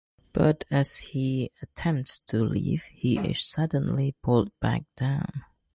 But as he attempts to leave, he is suddenly pulled back down.